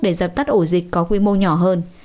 để dập tắt ổ dịch có quy mô nhỏ hơn